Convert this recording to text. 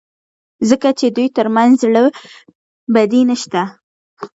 ځکه چې د دوی ترمنځ زړه بدي نشته.